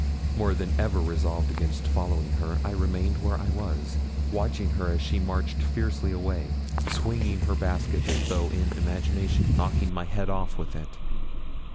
More than ever resolved against following her, I remained where I was, watching her as she marched fiercely away, swinging her basket as though in imagination knocking my head off with it.